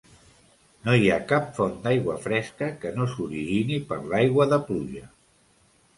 No hi ha cap font d'aigua fresca que no s'origini per l'aigua de pluja.